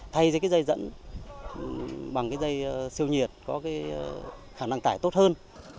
thay dây dẫn bằng dây siêu nhiệt có khả năng tải tốt hơn